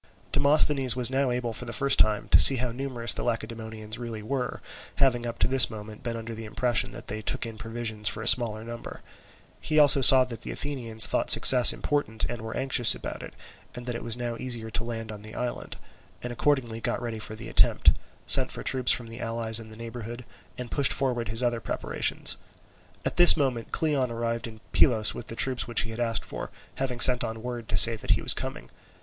Demosthenes was now able for the first time to see how numerous the Lacedaemonians really were, having up to this moment been under the impression that they took in provisions for a smaller number; he also saw that the Athenians thought success important and were anxious about it, and that it was now easier to land on the island, and accordingly got ready for the attempt, sent for troops from the allies in the neighbourhood, and pushed forward his other preparations. At this moment Cleon arrived at Pylos with the troops which he had asked for, having sent on word to say that he was coming.